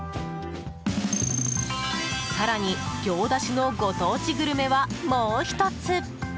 更に、行田市のご当地グルメはもう１つ。